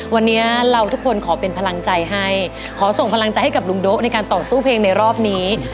วันนี้เราทุกคนขอเป็นพลังใจให้ขอส่งพลังใจให้กับลุงโด๊ะในการต่อสู้เพลงในรอบนี้